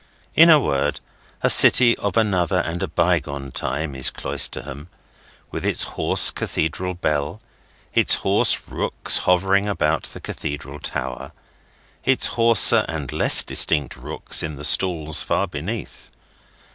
In a word, a city of another and a bygone time is Cloisterham, with its hoarse Cathedral bell, its hoarse rooks hovering about the Cathedral tower, its hoarser and less distinct rooks in the stalls far beneath.